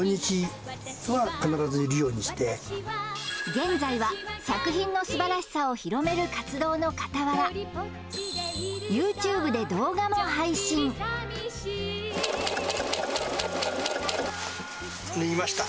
現在は作品のすばらしさを広める活動のかたわらＹｏｕＴｕｂｅで動画も配信縫いました